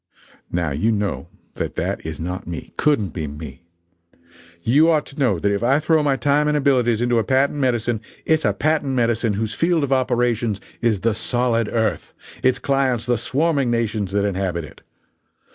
Now you know that that is not me couldn't be me. You ought to know that if I throw my time and abilities into a patent medicine, it's a patent medicine whose field of operations is the solid earth! its clients the swarming nations that inhabit it!